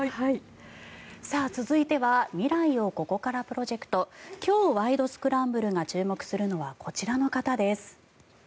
続いては未来をここからプロジェクト今日「ワイド！スクランブル」が注目するのはこちらの方です。